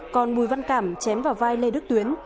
còn bùi văn cảm chém vào vai lê đức tuyến